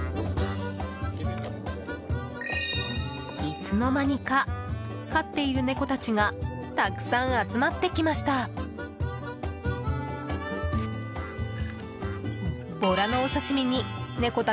いつの間にか飼っている猫たちがたくさん集まってきました。